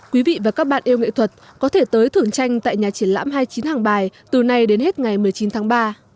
quý vị và các bạn yêu nghệ thuật có thể tới thưởng tranh tại nhà triển lãm hai mươi chín hàng bài từ nay đến hết ngày một mươi chín tháng ba